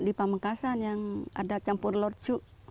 di pamekasan yang ada campur lorcu